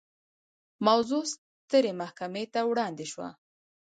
موضوع سترې محکمې ته وړاندې شوه.